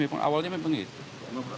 tidak awalnya memang begitu